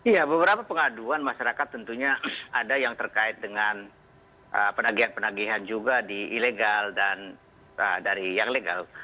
ya beberapa pengaduan masyarakat tentunya ada yang terkait dengan penagihan penagihan juga di ilegal dan dari yang legal